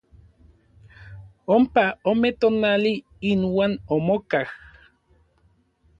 Ompa ome tonali inuan omokaj.